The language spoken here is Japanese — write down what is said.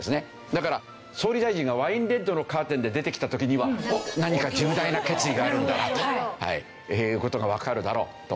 だから総理大臣がワインレッドのカーテンで出てきた時には「おっ何か重大な決意があるんだな」という事がわかるだろうというわけですね。